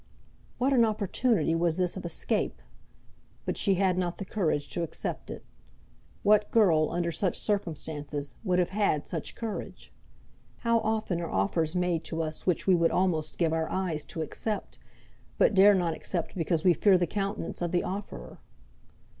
What an opportunity was this of escape! But she had not the courage to accept it. What girl, under such circumstances, would have had such courage? How often are offers made to us which we would almost give our eyes to accept, but dare not accept because we fear the countenance of the offerer?